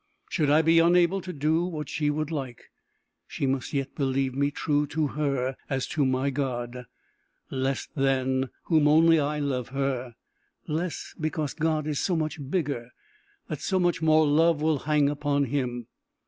Should I be unable to do what she would like, she must yet believe me true to her as to my God, less than whom only I love her: less, because God is so much bigger, that so much more love will hang upon him.